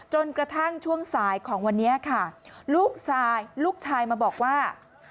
จนกระทั่งช่วงสายของวันนี้ค่ะลูกชายลูกชายมาบอกว่า